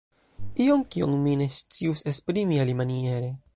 Ion, kion mi ne scius esprimi alimaniere.